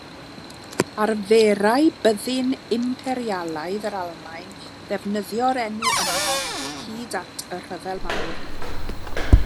Arferai Byddin Imperialaidd yr Almaen ddefnyddio'r enw yma hyd at y Rhyfel Mawr.